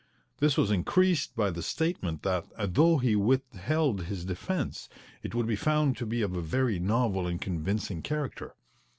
This was increased by the statement that, though he withheld his defence, it would be found to be of a very novel and convincing character.